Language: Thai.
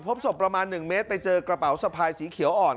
พบศพประมาณ๑เมตรไปเจอกระเป๋าสะพายสีเขียวอ่อน